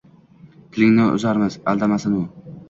-Tilingni uzarmiz, aldamasin u!